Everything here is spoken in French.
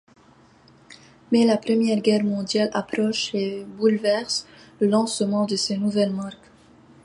Mais la Première Guerre mondiale approche et bouleverse le lancement de ces nouvelles marques.